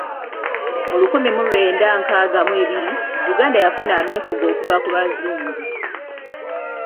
Mu lukumi mu lwenda ngaaga mu ebiri, Uganda yafuna ameefuga okuva ku bazungu.